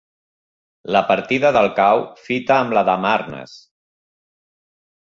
La partida del Cau fita amb la de Marnes.